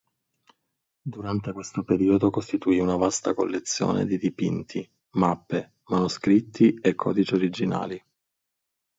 Durante questo periodo costituì una vasta collezione di dipinti, mappe, manoscritti e codici originali.